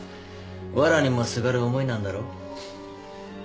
わらにもすがる思いなんだろ。